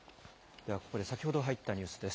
ではここで先ほど入ったニュースです。